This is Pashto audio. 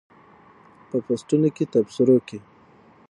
په پوسټونو تبصرو کې